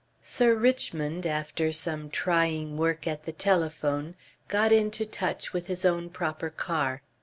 Sir Richmond, after some trying work at the telephone, got into touch with his own proper car.